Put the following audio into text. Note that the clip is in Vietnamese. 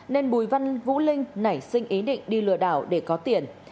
nên bùi văn vũ linh nảy sinh ý định đi lừa đảo để có tiền